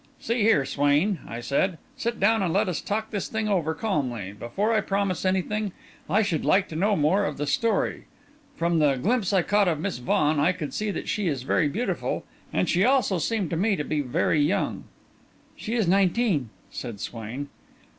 "See here, Swain," I said, "sit down and let us talk this thing over calmly. Before I promise anything, I should like to know more of the story. From the glimpse I caught of Miss Vaughan, I could see that she is very beautiful, and she also seemed to me to be very young." "She is nineteen," said Swain.